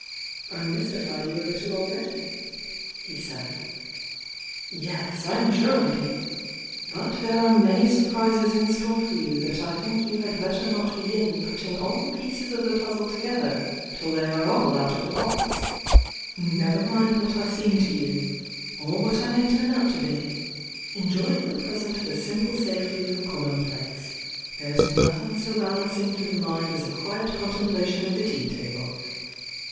"I mystify you a little already!" he said. "Yes, 130 THE YOUNG DIANA J i1 I am sure I do! — ^but there are so many surprises in store for you that I think you had better not be gin putting the pieces of the puzzle together till they arts all out of the box! Never mind what I seem to you, or what I may turn out to be, — enjoy for the present the simple safety of the Common place; there's nothing so balancing to the mind as a quiet contemplation of the tea table!